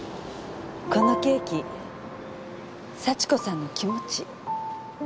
このケーキ幸子さんの気持ち。